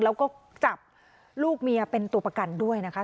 แล้วก็จับลูกเมียเป็นตัวประกันด้วยนะคะ